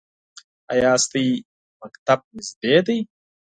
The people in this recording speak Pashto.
ایا ستاسو مکتب نږدې دی؟